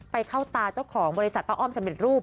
เข้าตาเจ้าของบริษัทป้าอ้อมสำเร็จรูป